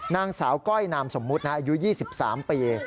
นางสาวก้อยนามสมมุติอายุ๒๓ปี